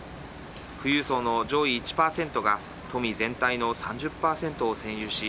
富裕層の上位１％が富全体の３０％を占有し